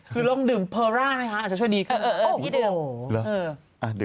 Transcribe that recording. คือลองดื่มเพอร่าไหมคะอาจจะช่วยดีขึ้น